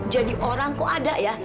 jadi orang kok ada ya